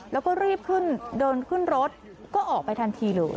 แล้วก็รีบขึ้นเดินขึ้นรถก็ออกไปทันทีเลย